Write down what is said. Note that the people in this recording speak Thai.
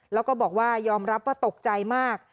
แล้วก็บอกว่ายอมรับว่าตกใจมาก